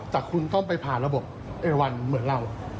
แต่คุณต้องไปผ่านระบบเอวันเหมือนเรา